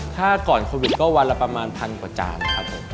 ถ้าก่อนโควิดก็วันละประมาณพันกว่าจานครับผม